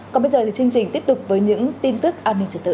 còn bây giờ thì chương trình tiếp tục với những tin tức an ninh trật tự